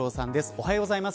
おはようございます。